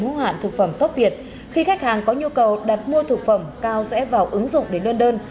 hữu hạn thực phẩm tốc việt khi khách hàng có nhu cầu đặt mua thực phẩm cao sẽ vào ứng dụng đến lân đơn